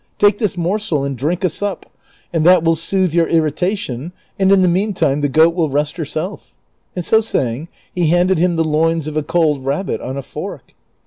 Take this morsel and drink a sup, and that Avill soothe your irrita tion, and in the mean time the goat will rest herself," and so saying, he handed him the loins of a cold rabbit on a fork.